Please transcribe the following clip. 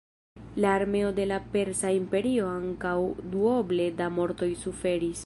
La armeo de la Persa Imperio ankaŭ duoble da mortoj suferis.